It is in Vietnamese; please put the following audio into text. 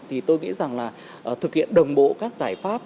thì tôi nghĩ rằng là thực hiện đồng bộ các giải pháp